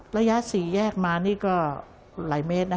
ระยะศรีแยกมานี่ก็ไหล่เมตรนะคะ